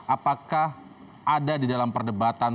apakah ada di dalam perdebatan